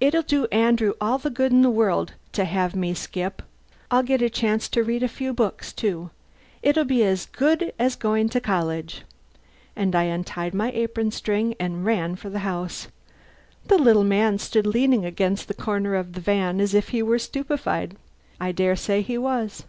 It'll do Andrew all the good in the world to have me skip. I'll get a chance to read a few books, too. It'll be as good as going to college!" And I untied my apron and ran for the house. The little man stood leaning against a corner of the van as if he were stupefied. I dare say he was.